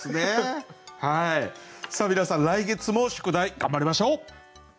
皆さん来月も宿題頑張りましょう。